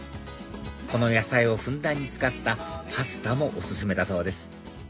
この野菜をふんだんに使ったパスタもお薦めだそうです